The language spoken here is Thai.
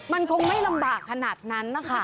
มันคงไม่ลำบากขนาดนั้นนะคะ